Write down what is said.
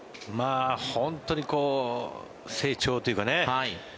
本当に成長というかね